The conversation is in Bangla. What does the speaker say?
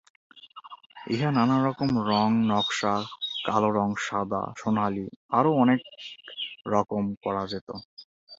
ইহা নানারকম রং, নকশা, কালো রং, সাদা, সোনালী আরো অনেক রকম করা যেত।